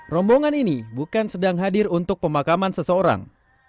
rombongan ini bukan sedang hadir untuk pemakaman seseorang